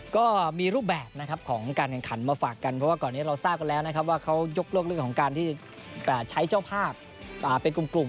ก็มีรูปแบบนะครับของการแข่งขันมาฝากกันเพราะว่าก่อนนี้เราทราบกันแล้วนะครับว่าเขายกเลิกเรื่องของการที่ใช้เจ้าภาพเป็นกลุ่ม